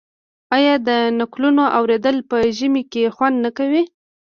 آیا د نکلونو اوریدل په ژمي کې خوند نه کوي؟